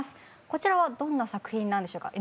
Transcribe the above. こちらはどんな作品なんでしょうか？